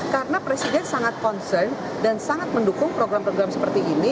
karena presiden sangat concern dan sangat mendukung program program seperti ini